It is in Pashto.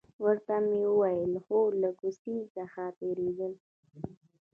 ورته ومې ویل: هو، له کوڅې څخه تېرېدل.